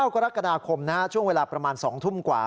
กรกฎาคมช่วงเวลาประมาณ๒ทุ่มกว่า